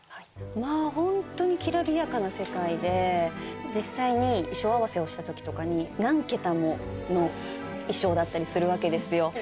まあホントにきらびやかな世界で実際に衣装合わせをしたときとかに何桁もの衣装だったりするわけですよ。